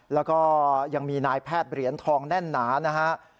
แล้วก็ยังมีนายแพทย์เหรียญทองแน่นหนานะฮะ